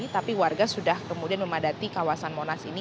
tapi warga sudah kemudian memadati kawasan monas ini